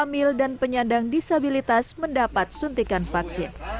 hamil dan penyandang disabilitas mendapat suntikan vaksin